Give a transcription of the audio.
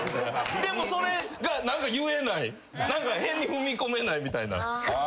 でもそれが言えない変に踏み込めないみたいな。